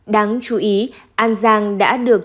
đáng chú ý an giang đã được